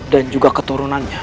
dan juga keturunannya